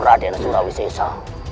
raden surawi sesa